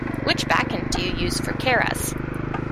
Which backend do you use for Keras?